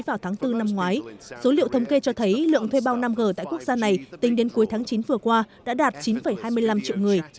vào tháng bốn năm ngoái số liệu thống kê cho thấy lượng thuê bao năm g tại quốc gia này tính đến cuối tháng chín vừa qua đã đạt chín hai mươi năm triệu người